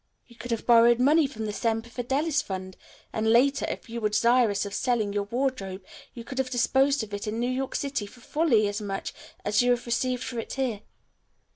You could have borrowed money from the Semper Fidelis Fund and later, if you were desirous of selling your wardrobe you could have disposed of it in New York City for fully as much as you have received for it here.